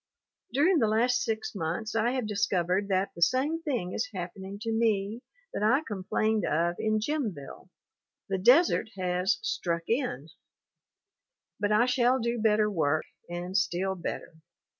During the last six months I have discovered that the same thing is happening to me that I com plained of in Jimville. the desert has "struck in." But I shall do better work, and still better.